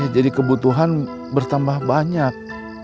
jadi kebutuhan bertambah banyak